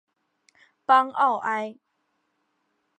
邦奥埃。